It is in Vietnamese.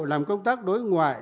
làm công tác đối ngoại